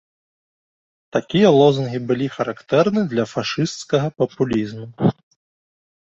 Такія лозунгі былі характэрны для фашысцкага папулізму.